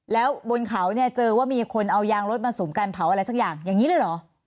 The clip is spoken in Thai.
แล้วบนเขาเนี่ยเจอว่ามีคนเอายางรถมาสูมการเผาอะไรสักอย่างอย่างนี้เลยเหรอ